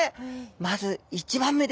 まず１番目です。